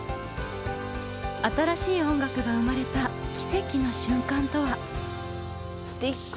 新しい音楽が生まれた奇跡の瞬間とは。